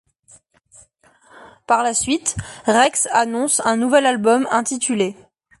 Par la suite, Reks annonce un nouvel album intitulé '.